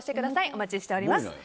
お待ちしております。